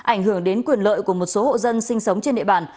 ảnh hưởng đến quyền lợi của một số hộ dân sinh sống trên địa bàn